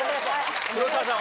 ・黒沢さん